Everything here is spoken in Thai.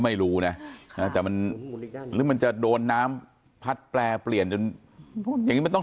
ไม่รู้นะแต่มันหรือมันจะโดนน้ำพัดแปรเปลี่ยนจนอย่างนี้มันต้อง